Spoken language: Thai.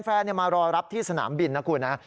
มารอรับที่สนามบินนะคุณนะ